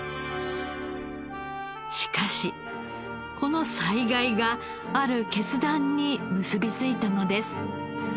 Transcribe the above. しかしこの災害がある決断に結びついたのです。